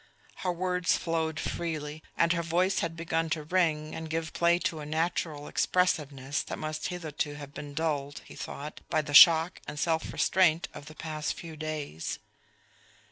Her words flowed freely, and her voice had begun to ring and give play to a natural expressiveness that must hitherto have been dulled, he thought, by the shock and self restraint of the past few days.